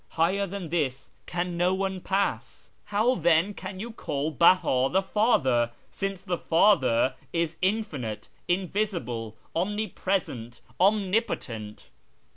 Higher than this can no one pass ; I how then can you call Beha * the Father,' since ' the Father ' is Infinite, Invisible, Omnipresent, Omnipotent